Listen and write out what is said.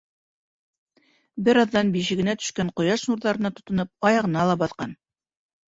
Бер аҙҙан бишегенә төшкән ҡояш нурҙарына тотоноп аяғына ла баҫҡан.